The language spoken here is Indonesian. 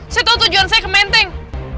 saya tahu tujuan saya ke menteng